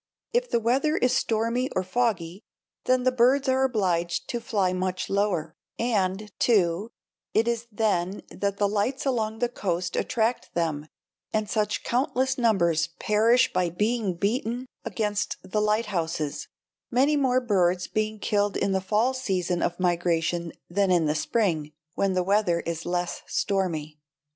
If the weather is stormy or foggy, then the birds are obliged to fly much lower; and, too, it is then that the lights along the coast attract them and such countless numbers perish by being beaten against the lighthouses, many more birds being killed in the fall season of migration than in the spring, when the weather is less stormy.